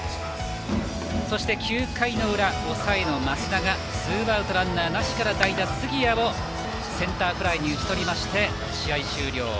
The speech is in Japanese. そして９回の裏抑えの益田がツーアウトランナーなしから代打杉谷をセンターフライに打ち取りまして試合終了。